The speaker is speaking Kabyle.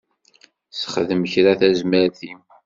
Sexdem kra tazmert-im.